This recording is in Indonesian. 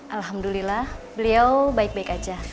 alhamdulillah beliau baik baik aja